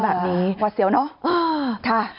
แบบนี้หวัดเสียวเนาะ